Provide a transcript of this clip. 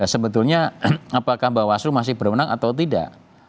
sebetulnya apakah bawaslu masih berwenang atau tidak